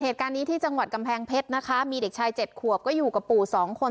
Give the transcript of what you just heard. เหตุการณ์นี้ที่จังหวัดกำแพงเพชรนะคะมีเด็กชายเจ็ดขวบก็อยู่กับปู่สองคน